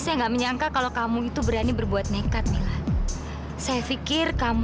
saya suster saya gak sendirian